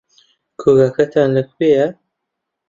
کۆگاکەتان لەکوێیە؟